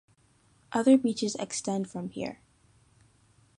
Other beaches extend from here.